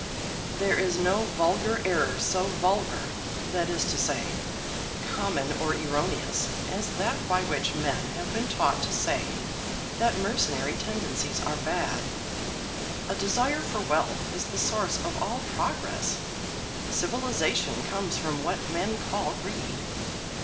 "There is no vulgar error so vulgar, that is to say, common or erroneous, as that by which men have been taught to say that mercenary tendencies are bad. A desire for wealth is the source of all progress. Civilization comes from what men call greed.